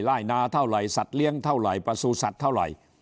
นาเท่าไหร่สัตว์เลี้ยงเท่าไหร่ประสูจนสัตว์เท่าไหร่